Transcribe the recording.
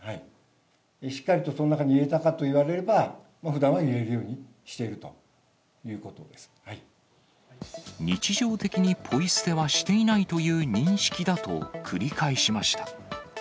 しっかりとその中に入れたかと言われれば、ふだんは入れるように日常的にポイ捨てはしていないという認識だと繰り返しました。